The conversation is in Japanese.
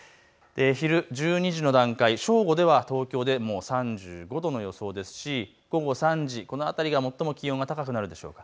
昼１２時の段階、正午では東京で３５度の予想ですし、午後３時、この辺りが最も気温が高くなるでしょう。